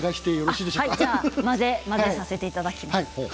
混ぜさせていただきます。